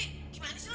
gimana sih lu